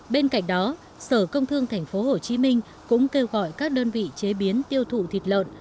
bên cạnh đó sở công thương tp hcm cũng kêu gọi các đơn vị chế biến tiêu thụ thịt lợn